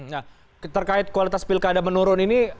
nah terkait kualitas pilkada menurun ini seperti apa